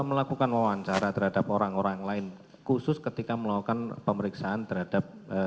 melakukan wawancara terhadap orang orang lain khusus ketika melakukan pemeriksaan terhadap